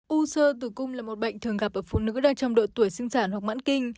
u sơ tử cung là một bệnh thường gặp ở phụ nữ đang trong độ tuổi sinh sản hoặc mãn kinh